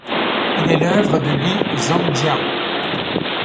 Il est l'œuvre de Li Zhongyao.